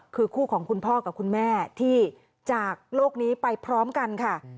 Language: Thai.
คือคู่ของคุณพ่อกับคุณแม่ที่จากโลกนี้ไปพร้อมกันค่ะ